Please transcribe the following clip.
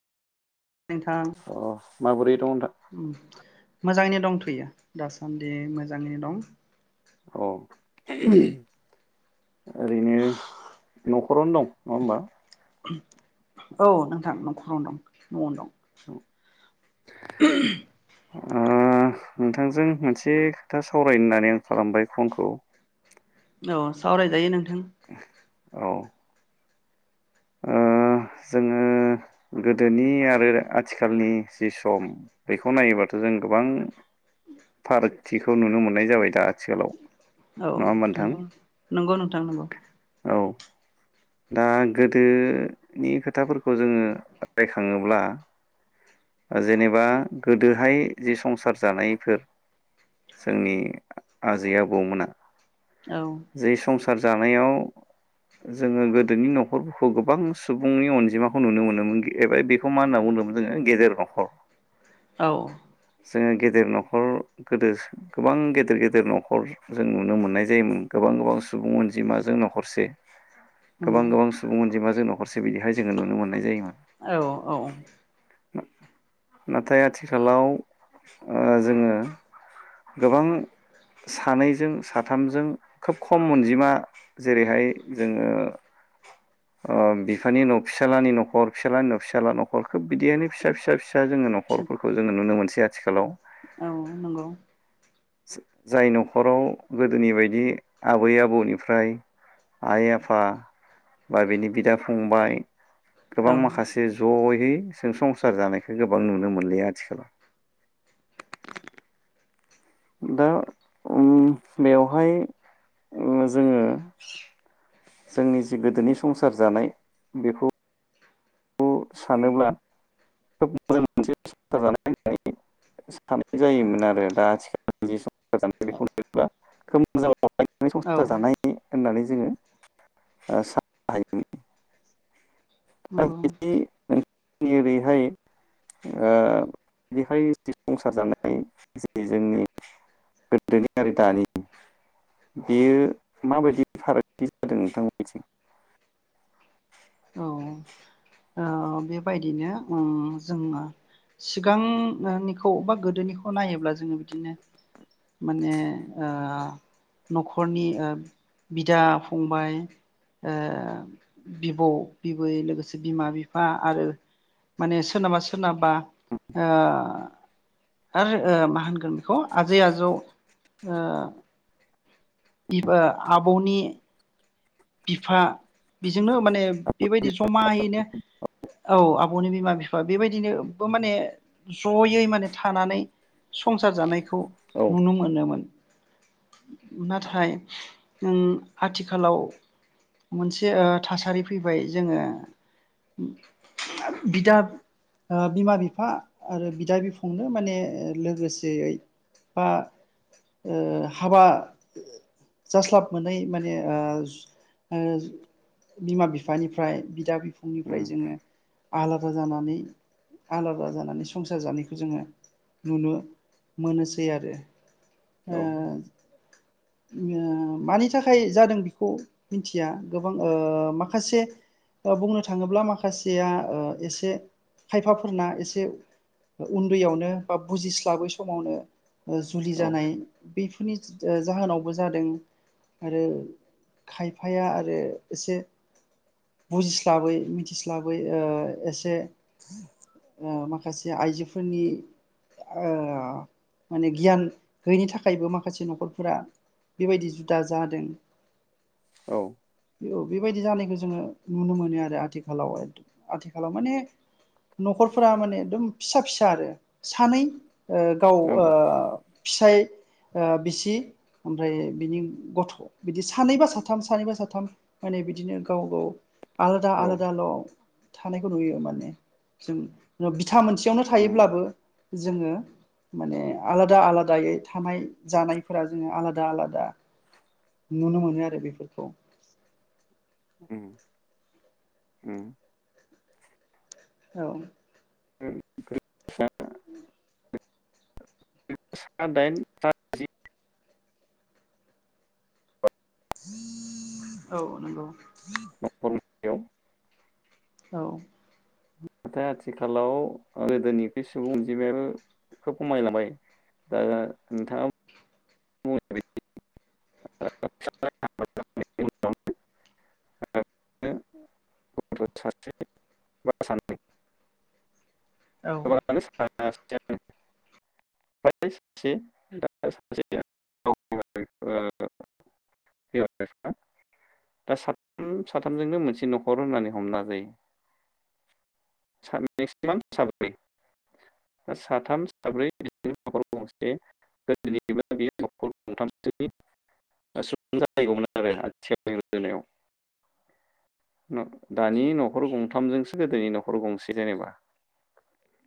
नोंथां अ माबोरै दं नोंथां? ओम मोजाङैनो दंथयो दासान्दि मोजाङै दं औ ओरैनो नखरावनो दं नङा होमबा औ नोंथां नखरावनो दं नआवनो दं [unintelligible] ओह नोंथांजों मोनसे खोथा सावरायनो होननानै आं खालामबाय फनखौ औ सावरायजायो ना [inaudible] औ ओ जोङो गोदोनि आरो आथिखालनि जि सम बेखौ नायोबाथ' जों गोबां फारागथिखौ नुनो मोननाय जाबाय दा आथिखालाव औ नङा होमबा नोंथां? थंगौ नंगौ नोंथां नंगौ औ दा गोदोनि खोथाफोरखौ जोङो रायखाङोब्ला जेनेबा गोदोहाय जि संसार जानायफोर जोंनि आजै आबौमोना औ जै संसार संसार जानायाव जोङो गोदोनि न'खरफोरखौ गोबां सुबुंनि अनजिमाखौ नुनो मोनोमोन एब बेखौ मा होनना बुंदोंमोन जोङो गेदेर न'खर औ जोंङो गेदेर न'खर गोदो गोबां गेदेर गेदेर न'खर जों नुनो मोननाय जायोमोन गोबां गोबां सुबुं अनजिमाजों न'खरसे । नंगौ गोबां गोबां सुबुं अनजिमा जों न'खरसे बिदिहाय जो नुनो मोननाय जायोमोन । औ औ नाथाय आथिखालाव ओ जोंङो गोबां सानैजों साथामजों खोब खम अनजिमा जेरैहाय जोंङो ओ बिफानि न' फिसालानि न'खर फिसालानि न' फिसाला न'खर खोब बिदिहायनो फिसा फिसा फिसा जोंंङो न'खरफोरखौ जोंङो नुनो मोनसै । आथिखालाव औ नंगौ । जाय न'खराव गोदोनि बायदि आबै आबौनिफ्राय आइ आफा बा बिनि बिदा फंबाय गोबां औ माखासे ज'है जों संसार जानायखौ गोबां नुनो मोनलिया आथिखालाव । दा बेवहाय जोंङो जोंनि जि गोदोनि संसार जानाय बेखौ सानोब्ला खोब मोजां मोनसें जानाय होननानै सानाय जायोमोन आरो दा आथिखाल सम गोजाम [unintelligible] [unintelligible] [inaudible] औ संसार जानाय होननानै जोंङो साननो हायो नंगौ नोंनि ओरैहाय ओ बेहाय संसार जानाय जि जोंनि गोदोनि आरो दानि बेयो माबायदि फारागथि जादों नोंथांमोननिथिं? औ ओ बेबायदिनो उम्म जोंङो सिगांनिखौ बा गोदोनिखौ नायोब्ला जोंङो बिदिनो माने ओ न'खरनि ओ बिदा फंबाय ओ बिब' बिबै लोगोसे बिमा बिफा आरो माने सोरनाबा सोरनाबा ओ आरो मा होनगोन बेखौ आजै आजौ ओ बिबो आबौनि बिफा जोंनो माने बेबायदि जमायैनो औ आब'नि बिमा बिफा बेबायदिनोबो माने जयै माने थानानै संसार जानायख खौ औ नुनो मोनोमोन । नाथाय उम्म आथिखालाव मोनसे थासारि फैबाय जोंङो बिदा बिमा बिफा आरो बिदा बिफंनो माने लोगोसेयै बा हाबा जास्लाब मोनै माने ओ ओ बिमा बिफानिफ्राय बिदा बि फंनिफ्राय उम जोंङो आलादा जानानै आलादा जानानै संसार जानायखौ जोंङो नुनो मोनोसै आरो । औ ओ ओ मानि थाखाय जादों बिखौ मिथिया गोबां ओ माखासे बुंनो थाङोब्ला माखासेया ओ एसे खायफाफोरना एसे उन्दैयावनो बा बुजिस्लाबै समावनो जुलि औ जानाय बेफोरनि जाहोनावबो जादों आरो खायफाया आरो एसे बुजिस्लाबै मिथिस्लाबै एसे माखासे आइजोफोरनि माने गियान गैयिनि थाखायबो माखासे न'खरफोरा बेबायदि जुदा जादों। औ बे बेबायदि जानायखौ जोङो नुनो मोनो आरो आथिखालाव आथिखालाव माने न'खरफोरा माने एकदम फिसा फिसा आरो सानै गाव औ फिसाय ओ बिसि ओमफ्राय बिनि गथ' बिदि सानैबा साथाम सानैबा साथाम माने बिदिनो गाव गाव आलादा औ आलादा ल' थानायखौ नुयो माने जों बिथथा मोनसेयावनो उम थायोब्लाबो जोङो माने आलादा आलादायै थानाय जानायफोरा जोङो आलादा आलादा नुनो मोनो आरो बेफोरखौ। उम उम औ उम सा दाइन सा जि औ नंगौ। न'खरनियाव औ जा आथिखालाव ओ गोदोनिखुइ सुबुं अनजिमायाबो खोब खमायलांबाय दा नोंथाङा [unintelligible] बा सासे बा सानै औ [unintelligible] [unintelligible] ओ [unintelligible] दा साथाम साथामजोंनो मोनसे न'खर होननानै हमना लाजायो। मेक्सिमाम साब्रै साथाम, साब्रै न'खर गंसे गोदोनि बादि न'खर गंथामसो सुबुं जालायगौमोन आरो आथिखालनि रुजुनायाव। न' दानि न'खर गंथामजोंसो गोदोनि न'खर गंसे जेनेबा